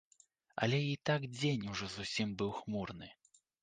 Але і так дзень ужо зусім быў хмурны.